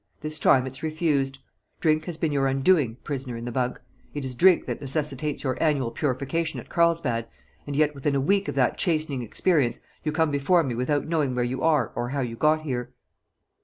This time it's refused. Drink has been your undoing, prisoner in the bunk; it is drink that necessitates your annual purification at Carlsbad, and yet within a week of that chastening experience you come before me without knowing where you are or how you got here."